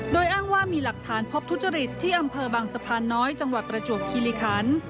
โดยอ้างว่ามีหลักฐานพบทุจริตที่อำเภอบางสะพานน้อยจังหวัดประจวบคิริคัน